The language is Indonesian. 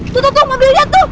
tuh tuh tuh mobil dia tuh